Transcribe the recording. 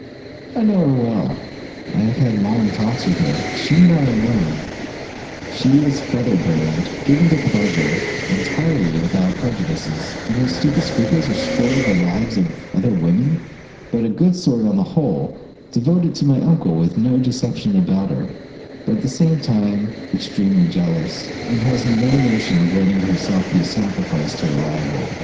I know her well; I have had long talks with her, she and I alone: she is feather brained, given to pleasure, entirely without prejudices and those stupid scruples which spoil the lives of other women; but a good sort on the whole; devoted to my uncle, with no deception about her; but at the same time extremely jealous, and has no notion of letting herself be sacrificed to a rival.